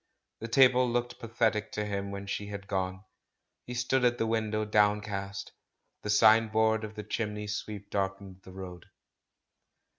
The table looked pathetic to him when she had gone. He stood at the win dow, downcast; the signboard of the chimney sweep darkened the road.